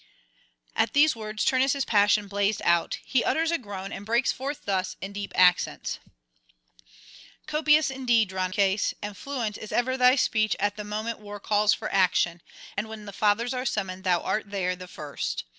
...' At these words Turnus' passion blazed out. He utters a groan, and breaks forth thus in deep accents: 'Copious indeed, Drances, and fluent is ever thy speech at the moment war calls for action; and when the fathers are summoned thou art there the first.